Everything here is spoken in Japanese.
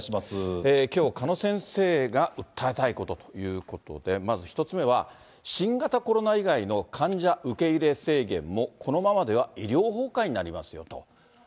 きょう、鹿野先生が訴えたいことということで、まず１つ目は、新型コロナ以外の患者受け入れ制限も、このままでは医療崩壊になりますよと。